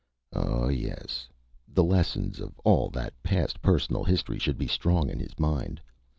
Oh, yes the lessons of all that past personal history should be strong in his mind.